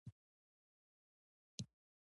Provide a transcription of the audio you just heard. فلزات په مالیکولي جوړښت کې توپیر لري.